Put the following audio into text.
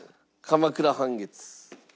鎌倉半月。